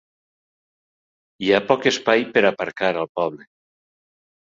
Hi ha poc espai per aparcar, al poble.